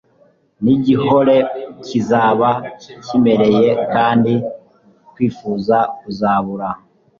n'igihōre kizaba kiremereye kandi kwifuza kuzabura